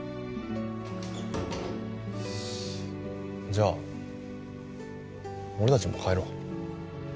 じゃあ俺たちも帰ろう。